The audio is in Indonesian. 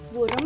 burem ya bang